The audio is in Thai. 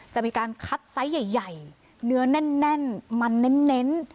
จะมีการคัดไซส์ใหญ่เนื้อแน่นมันเน้น